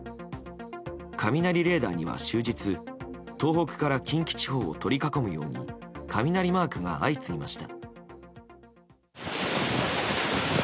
雷レーダーには終日東北から近畿地方を取り囲むように雷マークが相次ぎました。